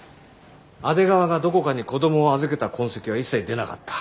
阿出川がどこかに子供を預けた痕跡は一切出なかった。